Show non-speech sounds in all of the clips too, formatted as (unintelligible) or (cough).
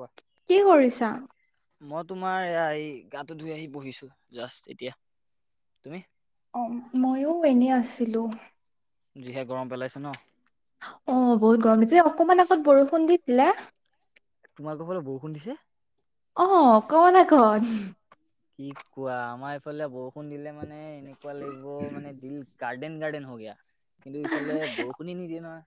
কোৱা কি কৰিছা মই তোমাৰ এয়া এই গাটো ধুই আহি পহিছো জাষ্ট এতিয়া তুমি অ ময়ো এনেই আছিলো যিহে গৰম পেলাইছে ন অ' বহুত গৰম দিছিল অকমান আগত বৰষুণ দিছিলে। তোমালোকৰ ফালে বৰষুণ দিছে? অ', অকন অকন। কি কোৱা আমাৰ এইফালে বৰষুণ দিলে মানে এনেকোৱা লাগিব মানে দিল কা গাৰ্ডেন গাৰ্ডেন হো গয়া কিন্তু ইফালে বৰষুণে নিদিয়ে নহয়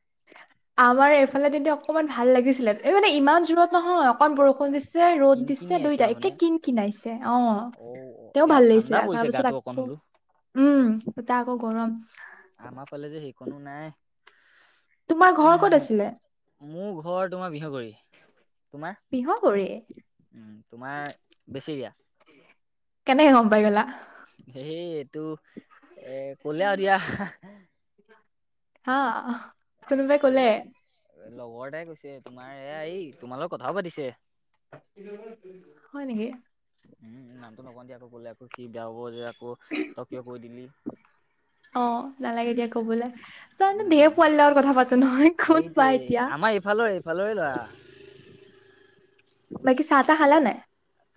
আমাৰ এইফালে তেন্তে অকমান ভাল লাগিছিলে এই মানে ইমান জোৰৰত নহয় অকণ বৰষুণ দিছে ৰ'দ কিন কিনি দিছে আহিছে আৰু দুইটাই মানে একে কিন কিনাইছে অ তেওঁ ভাল ঠাণ্ডা লাগিছিলে আৰু পৰিছে গাটো তাৰপিছত অকণ আকৌ হলো উম সূতা আকৌ গৰম আমাৰ ফালে যে সেইকনো নাই তোমাৰ ঘৰ ক'ত আছিলে? উ মোৰ ঘৰ তোমাৰ বিহবাৰী। বিহবৰী? তোমাৰ বেছেৰিয়া? কেনেকে গম পাই গ'লা? সেই এইটো এ কলে আও দিয়া। হা। অ কোনোবাই কলে এই লগৰটাই কৈছে তোমাৰ এয়া এই তোমাৰ লগত কথাও পাতিছে। হয় নেকি? নামটো নকওঁ দিয় আকৌ ক'লে আকৌ সি বয়া পাব যে আকৌ তই কিবা কৈ দিবি। অঁ, নালাগে দিয়া কবলে। চোৱা‌ চোন ধেৰ পোৱালি লগত কথা পাতো নহয়। কোন বা সেইটোৱে এতিয়া? আমাৰ এইফালৰ এইফালৰে ল'ৰা বাকি চাহ টা খালা নাই?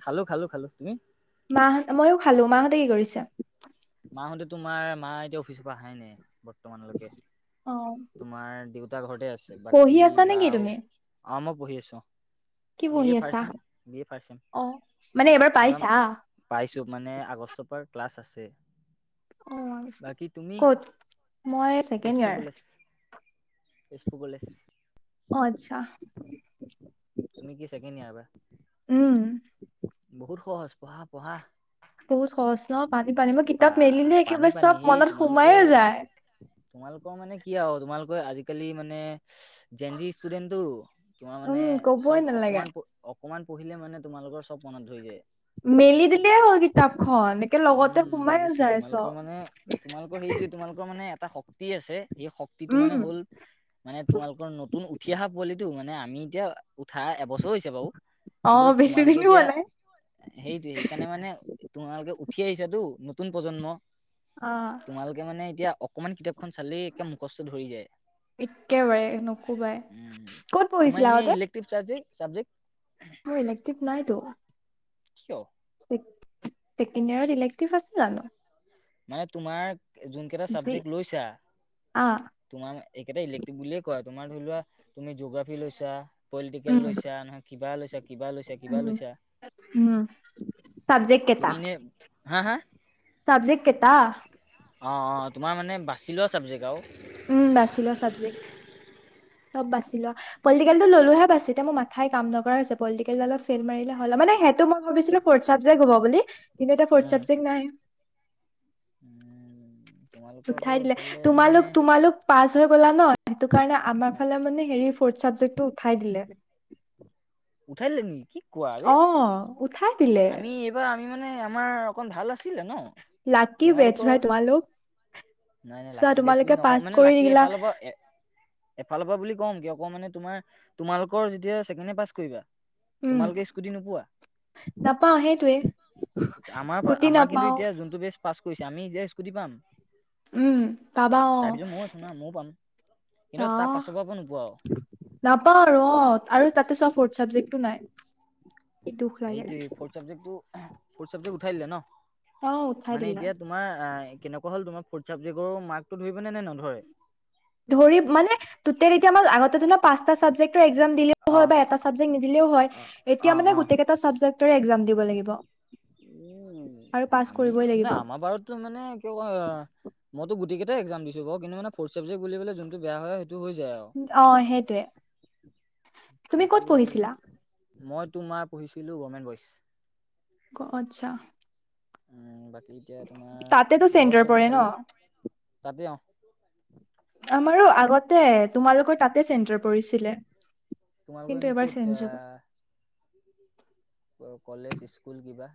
খালো খালো খালো। তুমি? মাহ ময়ো খালো মাহঁতে কি কৰিছে? মাহঁতে তোমাৰ মা এতিয়াও অফিচৰ পৰা আহাই নাই। বৰ্তমানলৈকে অ তোমাৰ দেউতা ঘৰতে আছে। পঢ়ি বাকী আছা নেকি বাও তুমি? অঁ, মই পঢ়ি আছো অঁ। কি বি পঢ়ি এ আছা? ফাৰ্চ চেম বি এ অ মানে এইবাৰ ফাৰ্চ চেম। পাইছা? পাইছো মানে, আগষ্টৰ পৰা ক্লাছ আছে। অ বাকী তুমি? ক'ত? মই second Tezpur year. College Tezpur college. অ, আচ্ছা। তুমি কি ছেকেণ্ড ইয়াৰ উম এবাৰ বহুত সহজ পঢ়া পঢ়া। বহুত সহজ ন পানী পানী মই বা কিতাপ মেলিলে পানী একেবাৰে পানী চব সেই মনত তোমালোকে সোমায়ে যায়। তোমালোকৰ মানে কি আও তোমালোকৰ আজিকালি মানে জেন জি ষ্টুডেন্টটো। তোমাৰ উম মানে ক'বই চব নালাগে। অকমান অকমান পঢ়িলে মানে তোমালোকৰ চব মনত পৰি যায়। মেলি দিলেই হ'ল কিতাপখন একে লগতে উম সোমায়ে যায় চব। অ, সেইটোৱে তোমালোকৰ মানে এটা শক্তি আছে সেই শক্তিটো মানে উম হ'ল মানে তোমালোকৰ নতুন উঠি আহা পোৱালিটো মানে আমি এতিয়া উঠা এবছৰ হৈছে বাও অ কিন্তু বেছি তোমালোকে দিনো হোৱা এতিয়া নাই। সেইটোয়েই সেইকাৰণে মানে তোমালোকে উঠি আহিছাতো নতুন প্ৰজন্ম। অঁ। তোমালোকে মানে এতিয়া অকণমান কিতাপখন চালেই একে মুখস্থ ধৰি যায়। একেবাৰে নকবাই, ক'ত পঢ়িছিলা আগতে? তিভ চাবজেক চাবজেক? মোৰ ইলেক্টিভ নাইতো। কিয়? ছেকেণ্ড ইয়েৰত ইলেক্টিভ আছে জানো? নাই তোমাৰ যোন কেইটা যি চাবজেক্ট লৈছা আ তোমাৰ এইকেইটা ইলেক্টিভ বুলিয়ে কয়। তোমাৰ ধৰি লোৱা তুমি জৈগ্ৰাফী ফি লৈছা পলিটিকেল উম লৈছা নহয় কিবা লৈছা কিবা লৈছা কিবা লৈছা। হুম। তুমি ইনে হা হা? ছাবজেক কেটা? অঁ অঁ তোমাৰ মানে বাচি লোৱা ছাবজেক্ট আও। উম বাচি লোৱা চাবজেক্ট চব বাচি লোৱা। পলটিকেলটো ল'লোহে, বাছি এতিয়া মোৰ মাথাই কাম নকৰা হৈছে, পলটিকেল ডালত ফেইল মাৰিলে হ'ল আৰু, মানে সেইটো মই ভাবিছিলোঁ ফৰ্ট চাবজেক হব বুলি, কিন্তু এতিয়া ফৰ্ট উম, চাবজেক্ট নাই। উম তোমালোকৰ আকৌ উঠাই দিলে, এইফালে মানে তোমালোক, তোমালোক পাছ হৈ গলা ন, সেইটো কাৰণে আমাৰ উ ফালে মানে হেৰি ফৰ্ট চাবজেক্টটো উঠাই দিলে। উঠাই দিলে নেকি? কোৱা বে? অ', উঠাই দিলে। আমি এইবাৰ আমি মানে আমাৰ অকন ভাল আছিলে ন। লাকি বেটছ তোমালোকৰ ভাই তোমালোক নাই নাই, চোৱা লাকি বেচ বুলি তোমালোকে নকয়, পাছ মানে কৰি লাকি দিলা এফালৰ পৰা এ এফালৰ পৰা বুলি ক'ম, কিয় ক'ম মানে তোমাৰ তোমালোকৰ যেতিয়া ছেকেণ্ড-ইয়েৰ পাছ কৰিবা। তোমালোকে স্কুটি নোপোৱা। নাপাওঁ, সেইটোৱে। আমাৰ স্কুটি আমাৰ কিন্তু নাপাও এতিয়া যোনটো বেষ্ট পাছ কৰিছে, আমি এতিয়া স্কুটি পাম। উম পাবা অ তাৰপিছত ময়ো আছো না ময়ো পাম, বা কিন্তু তাৰ পাছৰ বাৰৰ পৰা নোপোৱা আৰু। নাপাওঁ আৰু অ', আৰু তাতে চোৱা ফৰ্ট চাবজেক্টটো নাই। কি দুখ লাগে এইটোয়ে, ফৰ্ট চাবজেক্টো ফৰ্ট চাবজেক্ট উঠাই দিলে ন। অ উঠাই মানে দিলে এতিয়া তোমাৰ কেনেকুৱা হ'ল তোমাৰ ফৰ্ট চাবজেক্টৰ মাৰ্কটো ধৰিবে নে নধৰে? ধৰিব মানে টোটেল এতিয়া আমাৰ আগতে ধৰি লোৱা পাঁচটা চাবজেক্ট দিলেও হয়, অহ বা এটা চাবজেক্ট নিদিলেও হয় অহ অহ এতিয়া মানে অহ গোটেইকেইটা চাবজেক্টৰে একজাম দিব লাগিব। উম, আৰু পাছ আমি কৰিবই লাগিব আমাৰ বাৰু সেইটো মানে কিয় কয় আও, মইতো গোটেইকেইটাৰ একজাম দিছোঁ বাৰু, কিন্তু মানে ফৰ্ট চাবজেক্ট বুলিবলে যোনটো বেয়া হয় সেইটো হৈ যায় আৰু, অ সেইটোয়ে তুমি ক'ত কিন্তু পঢ়িছিলা মই তোমাৰ পঢ়িছিলোঁ, গভমেণ্ট বইচ্। অ', আচ্ছা। উম, বাকী এতিয়া তোমাৰ তাতেতো চেণ্টাৰ ঘৰত চবৰ পৰে ন ভালে? তাতে অ। আমাৰো আগতে, তোমালোকৰ তাতে চেন্টাৰ পৰিছিলে। তোমালোকৰ কিন্তু এনেই এবাৰ ক'ত চেঞ্জ এ হ'ব কলেজ-স্কুল কিবা?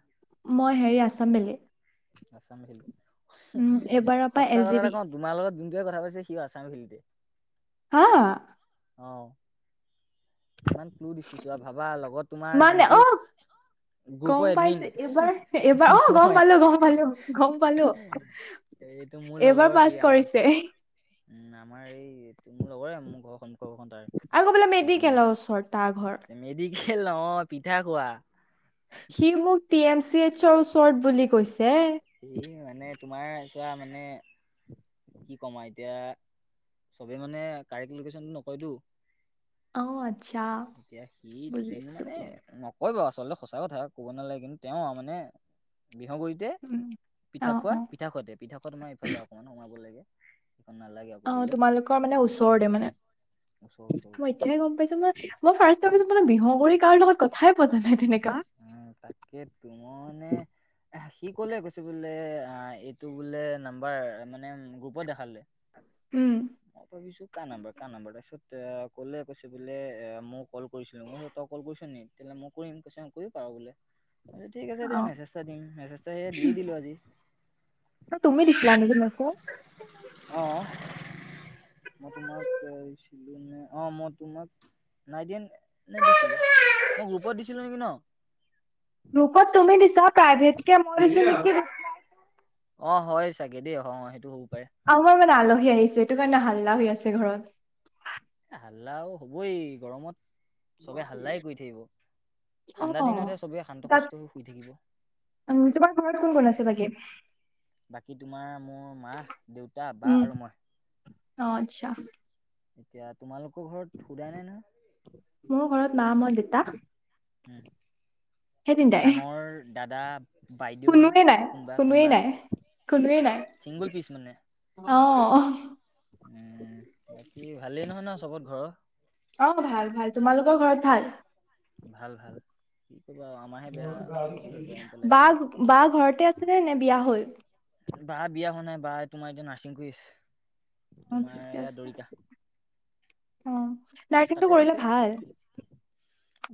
মই হেৰি, আছাম ভেলী। আছাম ভেলী, উম এইবাৰৰ পৰা সঁচা এল জি কথা বি এটা কওঁ তোমাৰ লগত যোনটোৱে কথা পাতিছে, সিও আছাম ভেলীতে। হা? অ'। ইমান ক্লু দিছো চোৱা ভাবা, লগত তোমাৰ মানে অ যোনটো গম গ্ৰুপৰ এডমিন পাইছে এইবাৰ এইবাৰ অ গম মইয়েই। পালো গম পালো গম পালো এইটো মোৰ এইবাৰ লগৰ, পাছ সি আমাৰ কৰিছে ঘৰৰ। উম, আমাৰ এই মোৰ লগৰে, মোৰ ঘৰৰ সম্মুখৰ ঘৰখন তাৰ। সি তোমাৰ ওচৰ তাৰ ঘৰ। মেডিকেল অ' পিঠা খোৱা। সি, মোক টি এম চি এইচৰ ওচৰত বুলি কৈছে। সেই মানে তোমাৰ (unintelligible) কি কম আৰু এতিয়া চবে মানে কাৰেক্ট লোকেশ্যনটো নকয়তো। অ আচ্ছা এতিয়া সি-সি বুজিছো মানে হয় বাৰু, আচলতে সঁচা কথা ক'ব নালাগে কিন্তু তেওঁ মানে বিহগুৰিতহে। উম অ পিঠা খোৱা, অ (unintelligible) আমাৰ এইফালে অকণমান সোমাব লাগে, (unintelligible) নালাগে আৰু। অ' তোমালোকৰ মানে ওচৰতে মানে, ওচৰ ওচৰ মই ওচৰ এতিয়াহে গম পাইছোঁ। মই মই ফাৰ্ষ্টে ভাবিছো বিহগুৰি কাৰ লগত কথাই পতা নাই তেনেকা। উম তাকে তো মই মানে। সি ক'লে কৈছে বোলে এইটো বোলে নাম্বাৰ মানে গ্ৰুপত দেখালে। উম। মই ভাবিছো কাৰ নম্বৰ কাৰ নম্বৰ তাৰপিছত কলে কৈছে বোলে মই কল কৰিছিলো মই। তই অকল কৈছ নেকি তেতিয়াহলে মই কৰিম কৈ কৰিব পাৰিম আৰু বোলে। ঠিক আছে অ দিয়া মেছেটা দিম মেছেজটা দিয়ে দিলো আজি। তুমি দিছিলা নেকি মেচেজ। অ। মই তোমাক কৈছিলো নে অ মই তোমাক। নাই দিয়া নে দিছিলো মই গ্ৰুপত দিছিলো নেকি ন। গ্ৰুপত তুমি দিছা প্ৰাইভেট কে মই দিছিলো। (inaudible) অ হয় চাগে দেই অ সেইটো হ'ব পাৰে। আমাৰ মানে আলহী আহিছে এইটো কাৰণে হাল্লা হৈ আছে ঘৰত। হাল্লাও হ'বই গৰমত। সবে হাল্লাই কৰি থাকিব ঠাণ্ডা অ', দিনতহে সবেই শান্ত তাত সুস্থ হৈ শুই থাকিব। উম তোমাৰ ঘৰতো। (inaudible) বাকী তোমাৰ মোৰ মা দেউতা বা উম, আৰু মই। অ আচ্ছা। এতিয়া তোমালোকৰ ঘৰত সুদাই নাই নহয়। মোৰ ঘৰত মা মই দেউতা। উম সেই তিনটাই। ডাঙৰ দাদা। বাইদেউ কোনোৱে নাই কোনোবা কোনোৱেই কোনোবা নাই কোনোৱেই ছিংগুল পিচ মানে নাই অ। উম বাকী ভালেই নহয় ন চবত ঘৰ। অ ভাল ভাল তোমালোকৰ ঘৰত ভাল। ভাল ভাল কি কবা আৰু আমাৰহে বেয়া যিহে গৰম বা পেলাইছে। বা ঘৰতে আছেনে নে বিয়া হল। বা বিয়া হোৱা নাই বা তোমাৰ এতিয়া নাৰ্ছিং কৰি আছে অ', তোমাৰ ঠিকে এ আছে দৰিকা। অ। নাৰ্ছিংটো তাতে কৰিলে থাকে। ভাল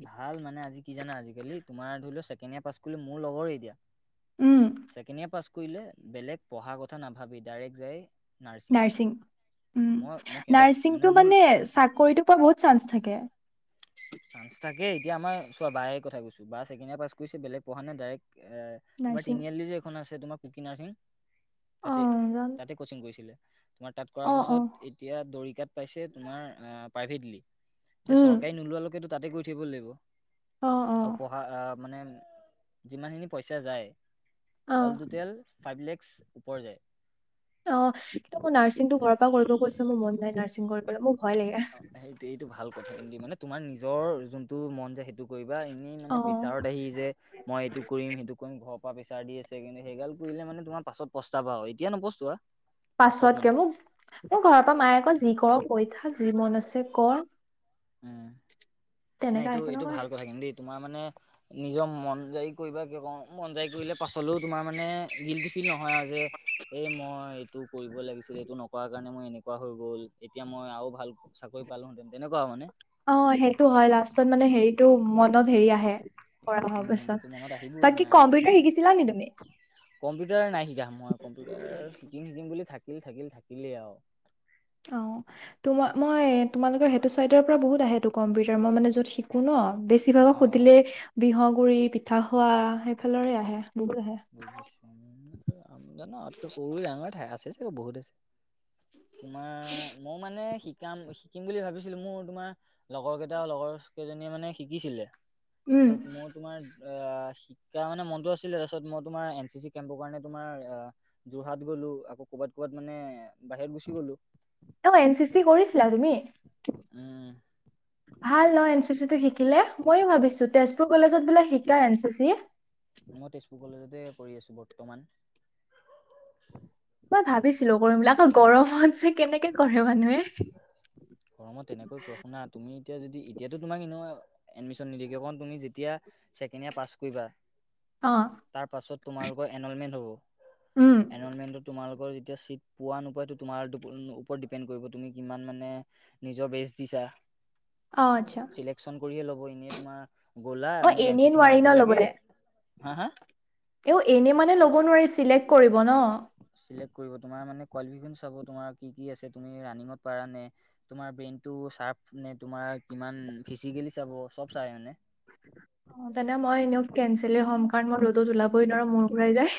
ভাল মানে আজি কি জানা আজিকালি তোমাৰ ধৰি লও ছেকেণ্ড ইয়াৰ পাছ কৰিলেও মোৰ লগৰে দিয়া। উম। ছেকেণ্ড ইয়েৰ পাছ কৰিলে বেলেগ পঢ়াৰ কথা নাভাবি ডাৰেক্ট যাই। নাৰ্ছিং মই সিহঁতক নাৰ্ছিংটো মোৰ মানে চাকৰিটো পোৱা বহুত চান্স থাকে। চান্স থাকে এতিয়া আমাৰ চোৱা বায়েৰ কথা কৈছো বা ছেকণ্ডাৰী পাছ কৰিছে বেলেগ পঢ়া নাই ডাইৰেক্ট এ। তোমাৰ নাৰ্ছিং তিনিআলি যে এখন আছে তোমাৰ কুকি নাৰ্ছিং তাতে অ', জানো। তাতে কৰ্চিং কৰিছিলে। তোমাৰ তাত কৰা অ', অ', পাছত এতিয়া দৰিকাত পাইছে তোমাৰ আ প্ৰাইভেটলি। এতিয়া উম, চৰকাৰী নোলোৱালৈকেতো তাতে কৰি থাকিব লাগিব। অ অ। আৰু পঢ়া আ মানে যিমানখিনি পইচা যায় অ অল অ তোটেল। ফাইভ লেক্স ওপৰ যায়। অ কিন্তু মই নাৰ্ছিংতো ঘৰৰ পৰা কৰিব কৈছো মোৰ মন যাই নাৰ্ছিং কৰিবলৈ মোৰ ভয় লাগে। অ সেইটো এইটো ভাল কথা কিন্ত মানে তোমাৰ নিজৰ যোনটো মন যোয় সেইটো। কৰিবা এনেই অ মানে প্ৰেছাৰত আহি যে। মই এইটো কৰিম সেইটো কৰিম ঘৰৰ পৰা প্ৰেছাৰ দি আছে কিন্তু সেইগাল কৰিলে মানে তোমাৰ পাছত পস্তাৱা এতিয়া নপস্তোৱা। পাছত মানে পাছতকে মোক মোৰ ঘৰৰ পৰা মায়ে আক যি কৰ কৈ থাক যি মন আছে কৰ উম নাই তেনেকা এইটো একো এইটো নকয় ভাল কথা কিন্তু দেই তোমাৰ মানে নিজৰ মন যায় কৰিব ক মন যায় কৰিলে পাছলৈও তোমাৰ মানে গিল্টি ফিল নহয় আও যে এ মই এইটো কৰিব লাগিছিল এইটো নকৰা কাৰণে মই এনেকুৱা হৈ গ'ল এতিয়া মই আও ভাল চাকৰি পালোহেঁতেন তেনেকুৱা আও মানে অ সেইটো হয় লাষ্টত মানে হেৰিটো মনত হেৰি আহে কৰা নহয় উম এইটো পাছত মনত আহিবই বাকী তোমাৰ কম্পিউটাৰ শিকিছিলা নে তুমি কম্পিউটাৰ নাই শিকা মই কম্পিউটাৰ শিকিম শিকিম বুলি থাকিল থাকিল থাকিলেই আও অ তো মই তোমালোকৰ সেইটো চাইডৰ পৰা বহুত আহেটো কম্পিউটাৰ মই মানে য'ত শিকো ন বে বেছি অ ভাগক অ সুধিলে বিহগুৰি, পিঠা খোৱা সেইফালৰে আহে বহুত আহে বুজিছো জানো আমাতকে সৰু ডাঙৰে ঠাই আছে চাগে বহুত আছে তোমাৰ মই মানে শিকাম শিকিম বুলি ভাবিছিলো মোৰ তোমাৰ লগৰ কেইটাও লগৰ কেইজনীয়ে মানে শিকিছিলে উম মোৰ তোমাৰ অ শিক্ষা মানে মনতো আছিলে তা পাছত মই তোমাৰ এন চি চি কেম্পৰ কাৰণে তোমাৰ যোৰহাট গ'লো আকৌ কবাত ক'বাত মানে বাহিৰত গুচি গ'লো অ এন চি চি কৰিছিলা তুমি উম (inaudible) ভাল ন এন চি চি টো শিকিলে ময়ো ভাবিছো তেজপুৰ কলেজত বোলে শিকায় এন চি চি মই তেজপুৰ কলেজতে পঢ়ি আছো বৰ্তমান মই ভাবিছিলো কৰিমবিলাক আকৌ গৰমত যে কেনেকে কৰে মানুহে গৰমত তেনেকৈ কৰে শুনা তুমি এতিয়া যদি এতিয়াতো তোমাক এনেও এডমিশ্যন নিদিয়ে কিয় কন তুমি যেতিয়া ছেকেণ্ড ইয়াৰ পাছ কৰিবা অ তাৰ পাছত তোমালোকৰ এনলমেণ্ট হ'ব উম এনলমেণ্টতো তোমালোকৰ যেতিয়া ছিট পোৱা নোপোৱা এটো তোমাৰ ওপৰত ডিপেণ্ড কৰিব তুমি কিমান মানে নিজৰ বেচ দিছা অ আচ্ছা ইলেকচন কৰিয়ে ল'ব এনে তোমাৰ গ'লা অ মোক এন এনেই চি চিৰ নোৱাৰি ন নামটো লাগে ল'বলে হা হা এও এনে মানে ল'ব নোৱাৰি চিলেক্ট কৰিব ন চিলেক্ট তোমাৰ মানে কোৱালিফিকেশ্যন চাব তোমাৰ কি কি আছে তুমি ৰানিঙত পাৰা নে তোমাৰ ব্ৰেইনটো চাৰ্প নে তোমাৰ কিমান ফিজিকেলি চাব চব চাই মানে অ তেনে মই এনেও কেনচেললেই হ'ম কাৰণ মই ৰদোত ওলাবই নোৱাৰো মোৰ ঘুৰাই যাই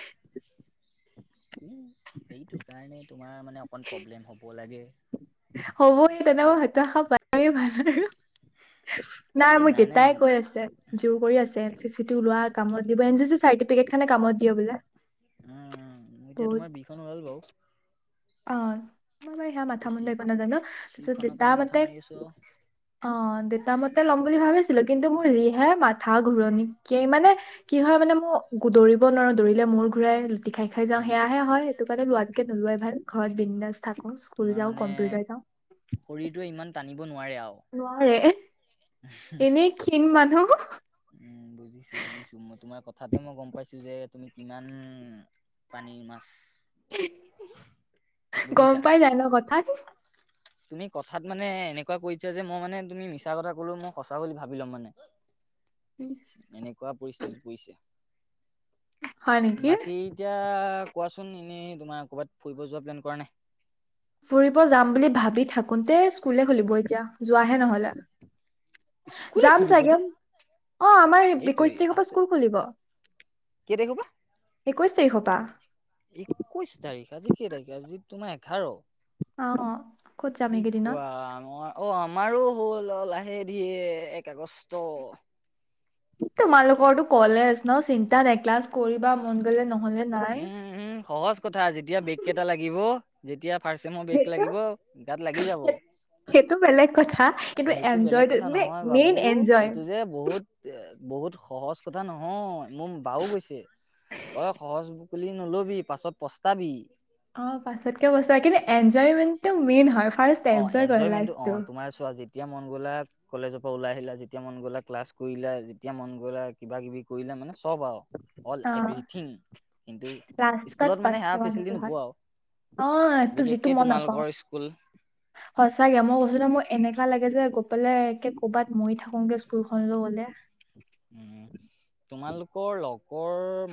উম সেইটো কাৰণে তোমাৰ মানে অকণ প্ৰব্লেম হ'ব লাগে হ'বই তেনেকুৱা হতাশা পাইয়ে ভাল আৰু নাই মোৰ দেউতাই কৈ আছে জোৰ কৰি আছে এন চি চি টো লোৱা কামত দিব এন চি চি চাৰ্টিফিকেট খনে কামত দিয়ে বোলে উম উম এতিয়া বহুত তোমাৰ বিখন ওলাল বাৰু অ মই বাৰু সেয়া মাথা এতিয়া মুন্দ চি একো নাজানো তাৰপিছত চিখনৰ তাৰ কাৰণে মাথা মাতে মাৰি আছোঁ আৰু অ দেউতা মতে ল'ম বুলি ভাবিছিলো কিন্তু মোৰ যিহে মাথা ঘূৰণীকে মানে কি হয় মানে মো একো দৌৰিব নোৱাৰো দৌৰিলে মূৰ ঘূৰাই লুটি খাই খাই যাওঁ উম। সেয়াহে হয় সেইটো কাৰণে লোৱতকে নোলোৱাই ভাল ঘৰত বিন্দাছ তোমাৰ যাওঁ মানে কম্পিউটাৰ যাওঁ শৰীৰটোৱে ইমান টানিব নোৱাৰে আৱ নোৱাৰে এনেই ক্ষীণ মানুহ উম বুজিছো বুজিছো মই তোমাৰ কথাতে মই গম পাইছো যে তুমি কিমান পানীৰ মাছ গম বুজিছা পাই যায় ন কথা তুমি কথাত মানে এনেকুৱা কৈছা যে মই মানে তুমি মিছা কথা কলো মই সঁচা বুলি ভাবি ল'ম মানে ইচ এনেকুৱা পৰিস্থিতি পৰিছে হয় নেকি বাকী এতিয়া কোৱাচোন এনেই তোমাৰ ক'ৰবাত ফুৰিব যোৱা প্লেন কৰা নাই ফুৰিব যাম বুলি ভাবি থাকোতে স্কুলে খুলিব এতিয়া যোৱাহে নহলে স্কুলে যাম খুলিব চাগে এতিয়া অ আমাৰ সেইটোৱে একৈশ তাৰিখৰ পৰা স্কুল খুলিব কেতাৰিখ পা একৈশ তাৰিখ পা একৈশ তাৰিখ আজি কেই তাৰিখে আজি তোমাৰ এঘাৰ অ ক'ত যাম কি এইকেইদিনত কোৱা আমৰ অঁ আমাৰো হ'ল লাহেদি এক আগষ্ট তোমালোকৰতো কলেজ ন চিন্তা নাই ক্লাছ কৰিবা মন গলে নহলে নাই উম উম সহজ কথা যেতিয়া বেগ কেটা লাগিব যেতিয়া ফাৰ্ষ্ট চেমৰ ব্ৰেগ সেইটো লাগিব গাত লাগি যাব সেইটো বেলেগ কথা কিন্তু সেইটো এনজয় বেলেগ কথা নহয় মেইন বাবু এনজয় সেইটো যে বহুত বহুত সহজ কথা নহয় মোৰ বাও কৈছে তই সহজ বুলি নলবি পাছত পস্তাবি অ পাছতকে পস্তা কিন্তু এনজয়মেন্টটো মেইন হয় ফাষ্ট অ এনজয়মেণ্টটো অ তোমাৰ চোৱা যেতিয়া মন গ'লে কলেজৰ পৰা ওলাই আহিলা, যেতিয়া মন গলে ক্লাছ কৰিলা, যেতিয়া মন গলে কিবা- কিবি কৰিলে মানে চব আৱ অল অ এভৰিথিং কিন্তু লাষ্টত স্কুলত মানে পাছপোৱা সেয়া মানুহটো ফেচিলিটি হয় নোপোৱা অ আৱ এইটো যিটো বিশেষকে মই নাপাও তোমালোকৰ স্কুল সঁচাকে মই কৈছো নহয় মোৰ এনেকা লাগে যে গোপপেলাই কৰ'ৰবাত মৰি থাকোগে স্কুলখনলৈ গ'লে উম তোমালোকৰ লগৰ ম